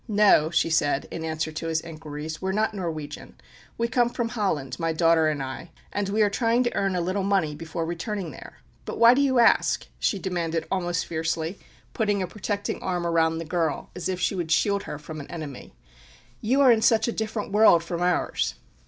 "No," she said in answer to his inquiries, "we are not Norwegian. We come from Holland, my daughter and I, and we are trying to earn a little money before returning there. But why do you ask?" she demanded almost fiercely, putting a protecting arm around the girl, as if she would shield her from an enemy. "You are in such a different world from ours!"